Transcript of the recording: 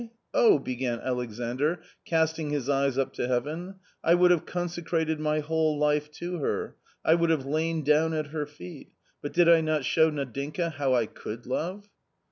Oh !" began Alexandr, casting his eyes up to heaven, " I would have consecrated my whole life to her ; I would have lain down at her feet. But did I not show Nadinka how I could love